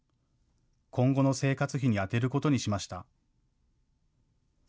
今後の生活費に充てることにしました。